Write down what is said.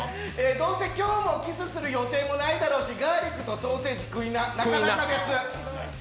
「どうせ今日も今後もキスする予定ないだろうし、ガーリックとソーセージ食いな」、なかなかです。